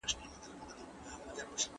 تېر نسل تر اوسني نسل لږ مطالعه کوله.